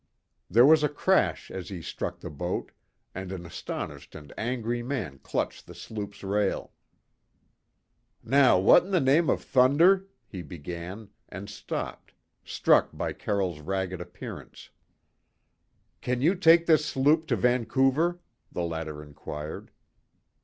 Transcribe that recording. There was a crash as he struck the boat, and an astonished and angry man clutched the sloop's rail. "Now what in the name of thunder?" he began, and stopped, struck by Carroll's ragged appearance. "Can you take this sloop to Vancouver?" the latter inquired.